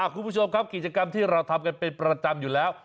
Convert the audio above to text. คุณผู้ชมครับกิจกรรมที่เราทำกันเป็นประจำอยู่แล้ว